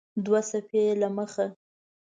دوه صفحې یې له مخه